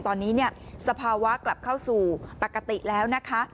ตอนนี้เนี่ยสภาวะกลับเข้าสู่ปกติแล้วนะคะ